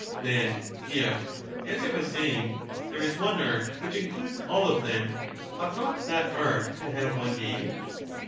Then if, as I was saying, there is one art which in discerning, eludes all of them, ought not that art to have one name